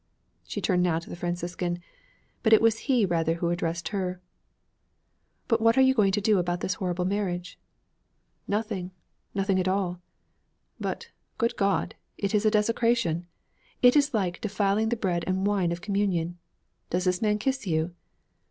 She turned now to the Franciscan. But it was he rather who addressed her. 'But what are you going to do about this horrible marriage?' 'Nothing, nothing at all.' 'But, good God, it is desecration! It is like defiling the bread and wine of communion. Does this man kiss you?'